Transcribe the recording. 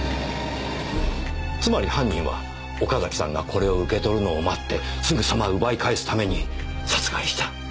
つまり犯人は岡崎さんがこれを受け取るのを待ってすぐさま奪い返すために殺害した。